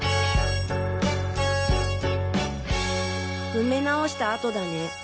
埋め直した跡だね。